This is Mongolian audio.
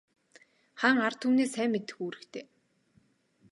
Хаан ард түмнээ сайн мэдэх үүрэгтэй.